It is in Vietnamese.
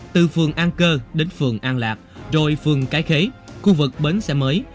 từ phường an cơ đến phường an lạc rồi phường cái khế khu vực bến xe mới